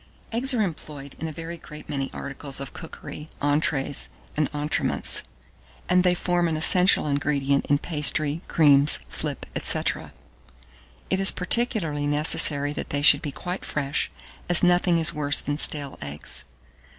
1624. Eggs are employed in a very great many articles of cookery, entrées, and entremets, and they form an essential ingredient in pastry, creams, flip, &c. It is particularly necessary that they should be quite fresh, as nothing is worse than stale eggs.